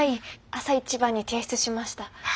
朝一番に提出しました。